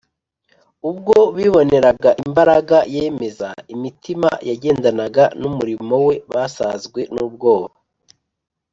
Ubwo biboneraga imbaraga yemeza imitima yagendanaga n’umurimo We basazwe n’ubwoba